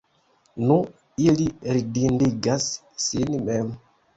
nu, ili ridindigas sin mem.